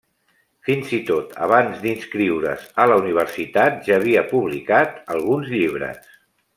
Fins i tot abans d'inscriure's a la universitat, ja havia publicat alguns llibres.